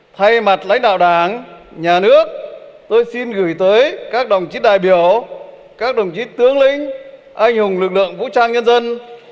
thay mặt lãnh đạo đảng nhà nước tôi xin gửi tới các đồng chí đại biểu các đồng chí tướng lĩnh anh hùng lực lượng vũ trang nhân dân